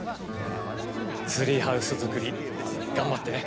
ツリーハウス作り頑張ってね。